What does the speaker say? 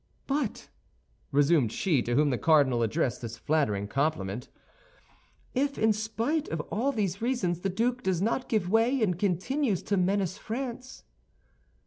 "But," resumed she to whom the cardinal addressed this flattering compliment, "if, in spite of all these reasons, the duke does not give way and continues to menace France?"